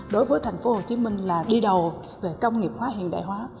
đối với thành phố hồ chí minh là đi đầu về công nghiệp hóa hiện đại hóa